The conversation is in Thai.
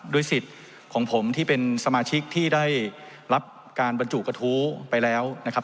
สิทธิ์ของผมที่เป็นสมาชิกที่ได้รับการบรรจุกระทู้ไปแล้วนะครับ